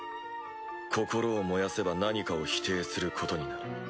心を燃やせば何かを否定することになる。